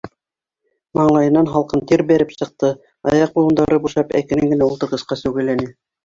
Маңлайынан һалҡын тир бәреп сыҡты, аяҡ быуындары бушап, әкрен генә ултырғысҡа сүгәләне.